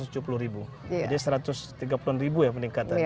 jadi satu ratus tiga puluh ya peningkatan